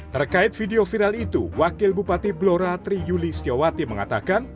terkait video viral itu wakil bupati blora tri yuli setiawati mengatakan